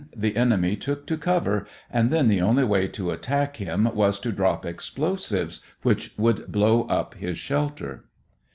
The enemy took to cover and then the only way to attack him was to drop explosives which would blow up his shelter.